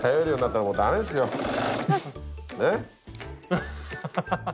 アハハハハ。